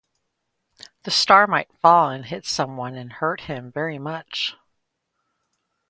The star might fall and hit someone and hurt him very much.